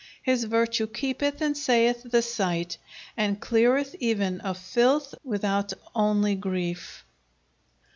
His vertue kepeth and savyth the syght, & clearyth eyen of fylthe wythout ony greyf.